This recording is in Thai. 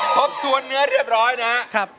ทบตัวเนื้อเรียบร้อยนะ